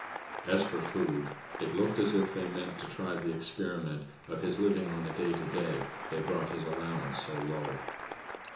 As for food, it looked as if they meant to try the experiment of his living on a date a day, they brought his allowance so low.